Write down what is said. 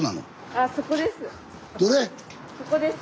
あそこです。